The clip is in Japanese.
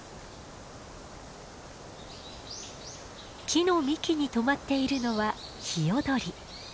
木の幹にとまっているのはヒヨドリ。